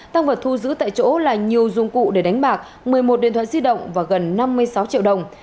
tăng vật thu giữ tại chỗ là nhiều dụng cụ để đánh bạc một mươi một điện thoại di động và gần năm mươi sáu triệu đồng